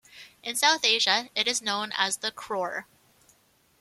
In South Asia, it is known as the crore.